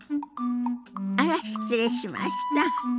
あら失礼しました。